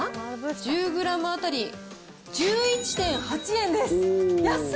１０グラム当たり１１．８円です。